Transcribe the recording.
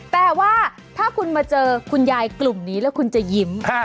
แต่ว่าถ้าคุณมาเจอคุณยายกลุ่มนี้แล้วคุณจะยิ้ม